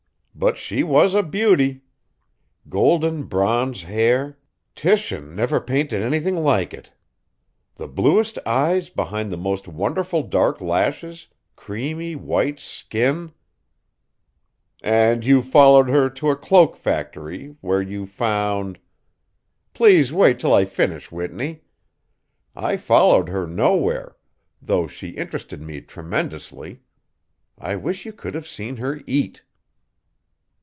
But she was a beauty! Golden bronze hair Titian never painted anything like it; the bluest eyes behind the most wonderful dark lashes, creamy white skin" "And you followed her to a cloak factory, where you found" "Please wait till I finish, Whitney. I followed her nowhere, though she interested me tremendously. I wish you could have seen her eat."